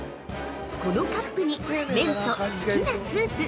◆このカップに麺と好きなスープ